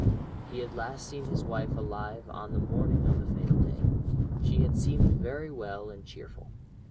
He had last seen his wife alive on the morning of the fatal day. She had seemed very well and cheerful.